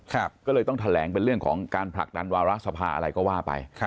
ก็เลยต้องแถลงเป็นเรื่องของการผลักดันวาระสภาอะไรก็ว่าไป